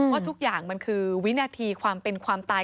ว่าทุกอย่างมันคือวินาทีความเป็นความตาย